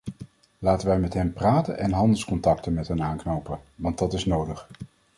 Laten wij met hen praten en handelscontacten met hen aanknopen, want dat is nodig.